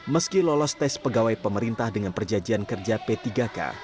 meski lolos tes pegawai pemerintah dengan perjanjian kerja p tiga k